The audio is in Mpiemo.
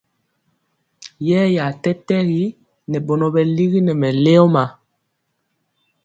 Yeeya tɛtɛgi ŋɛ bɔnɔ bɛ ligi nɛ mɛleoma.